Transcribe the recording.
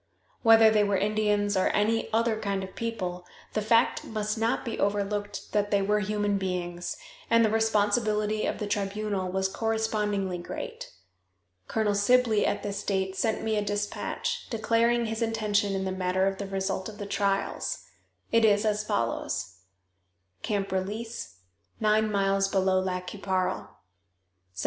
Whether they were Indians or any other kind of people, the fact must not be overlooked that they were human beings, and the responsibility of the tribunal was correspondingly great. Colonel Sibley at this date sent me a dispatch, declaring his intention in the matter of the result of the trials. It is as follows: "CAMP RELEASE, NINE MILES BELOW LAC QUI PARLE, Sept.